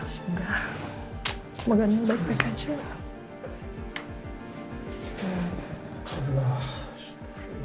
semoga nanti baik baik saja